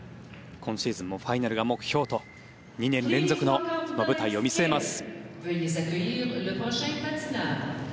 今シーズンもファイナルが目標と２年連続の舞台を見据えます。